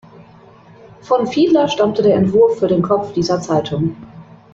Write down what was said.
Von Fiedler stammte der Entwurf für den Kopf dieser Zeitung.